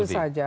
dan tentu saja